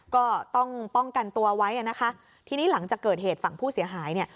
ก็ต้องป้องกันตัวไว้อ่ะนะคะทีนี้หลังจากเกิดเหตุฝั่งผู้เสียหายเนี่ย